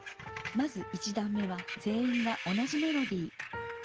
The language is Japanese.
まず１だん目は全員が同じメロディー。